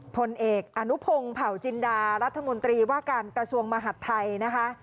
ผลเอกอนุพงศ์เผาจินดารัฐมนตรีว่าการกระทรวงมหัฐไทยนะคะ